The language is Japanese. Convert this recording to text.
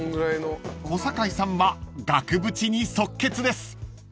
［小堺さんは額縁に即決です］